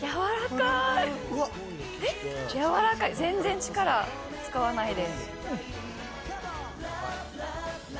全然力使わないで。